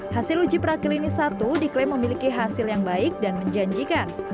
hasil uji praklinis satu diklaim memiliki hasil yang baik dan menjanjikan